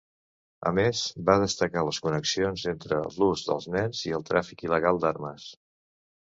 A més, va destacar les connexions entre l'ús dels nens i el tràfic il·legal d'armes.